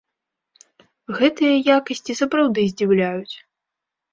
Гэтыя якасці сапраўды здзіўляюць.